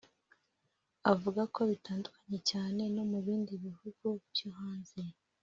Avuga ko bitandukanye cyane no mu bindi bihugu byo hanze